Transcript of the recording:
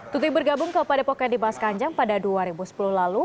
tuti bergabung ke padepokan dimas kanjeng pada dua ribu sepuluh lalu